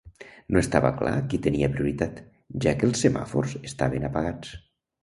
No estava clar qui tenia prioritat, ja que els semàfors estaven apagats.